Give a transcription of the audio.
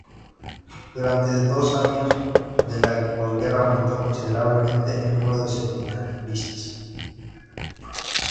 Durante los años de la posguerra aumentó considerablemente el número de seminaristas.